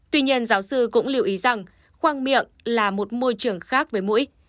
tuy nhiên giáo sư cũng lưu ý rằng khoang miệng là một môi trường khác với mũi